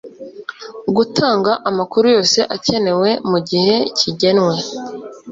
gutanga amakuru yose akenewe mu gihe kigenwe